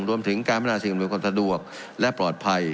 รวมถึงการพัฒนาสิ่งอำนวยความสะดวกและปลอดภัย